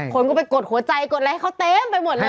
คนก็ไปกดหัวใจกดอะไรให้เขาเต็มไปหมดเลย